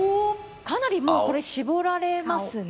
かなりもうこれ絞られますね。